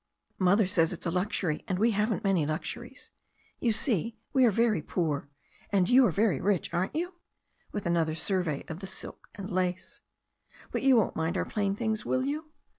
Mother says it's a luxury, and we haven't many luxuries. You see, we are very poor, and you are very rich, aren't you ?" with another survey of the silk and lace. "But you won't liiind our plain things, will you?